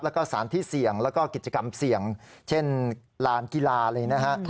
แล้วก็สารที่เสี่ยงแล้วก็กิจกรรมเสี่ยงเช่นลานกีฬาเลยนะฮะ